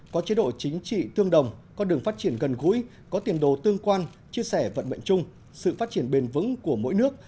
có chế độ chính trị tương đồng con đường phát triển gần gũi có tiền đồ tương quan chia sẻ vận mệnh chung sự phát triển bền vững của mỗi nước